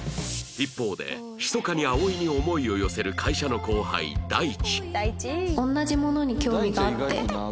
一方でひそかに葵に思いを寄せる会社の後輩大地